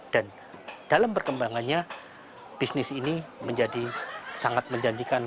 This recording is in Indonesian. dan dalam perkembangannya bisnis ini menjadi sangat menjanjikan